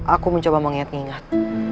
aku mencoba mengingat ingat